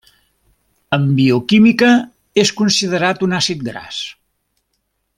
En bioquímica és considerat un àcid gras.